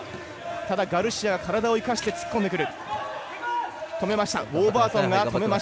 ガルシアが体を使って突っ込んでくる。